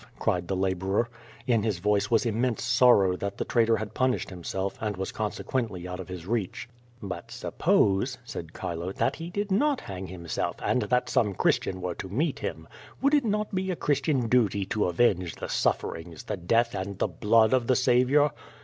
cried the laborer. In his voice was immense sorrow that the traitor had pun ished himself, and was consequently out of his reach. '^ut suppose," said Chilo, "that he did not hang himself, and that some Christian were to meet him. Would it not be a Christian duty to avenge the sufferings, the death and the blood of the Saviour?"